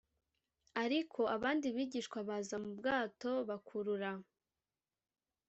Ariko abandi bigishwa baza mu bwato bakurura